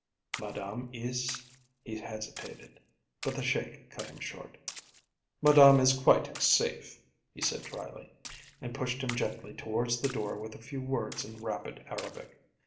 "Madame is " he hesitated, but the Sheik cut him short. "Madame is quite safe," he said dryly, and pushed him gently towards the door with a few words in rapid Arabic.